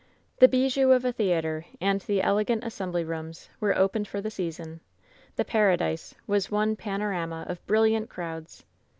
"The bijou of a theater and the elegant assembly rooms were opened for the season. The ^paradise' was one panorama of brilliant crowds.